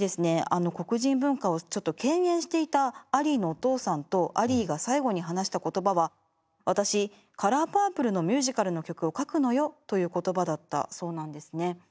あの黒人文化をちょっと倦厭していたアリーのお父さんとアリーが最期に話した言葉は「私『カラーパープル』のミュージカルの曲を書くのよ」という言葉だったそうなんですね。